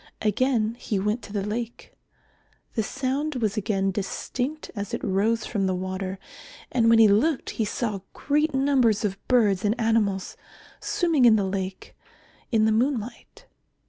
Again he went to the lake. The sound was again distinct as it rose from the water, and when he looked he saw great numbers of birds and animals swimming in the lake in the moonlight.